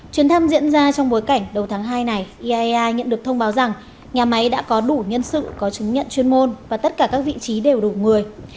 chuyến thăm diễn ra trong bối cảnh đầu tháng hai này iaea nhận được thông báo rằng nhà máy đã có đủ nhân sự có chứng nhận chuyên môn và tất cả các vị trí đều đủ người